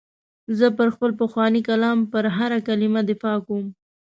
زه پر خپل پخواني کالم پر هره کلمه دفاع کوم.